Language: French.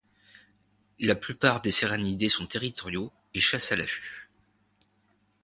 La plupart des Serranidés sont territoriaux et chassent à l'affût.